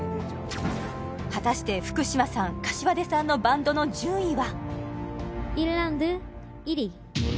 果たして福嶌さん膳さんのバンドの順位は？